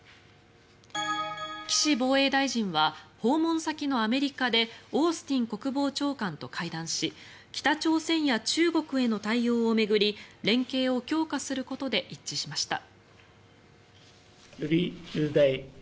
岸防衛大臣は訪問先のアメリカでオースティン国防長官と会談し北朝鮮や中国への対応を巡り連携を強化することで一致しました。